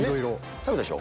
食べたでしょ。